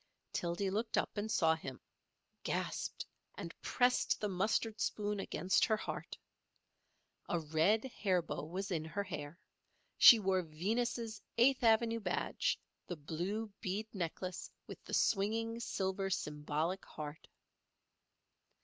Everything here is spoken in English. Tildy looked up and saw him, gasped, and pressed the mustard spoon against her heart. A red hair bow was in her hair; she wore Venus's Eighth Avenue badge, the blue bead necklace with the swinging silver symbolic heart.